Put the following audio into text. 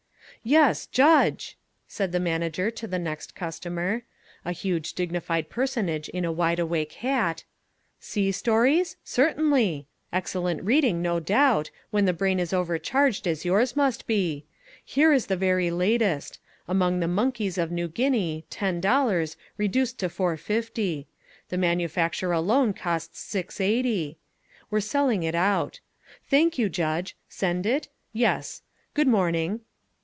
"Yes, Judge!" said the manager to the next customer, a huge, dignified personage in a wide awake hat, "sea stories? Certainly. Excellent reading, no doubt, when the brain is overcharged as yours must be. Here is the very latest Among the Monkeys of New Guinea, ten dollars, reduced to four fifty. The manufacture alone costs six eighty. We're selling it out. Thank you, Judge. Send it? Yes. Good morning."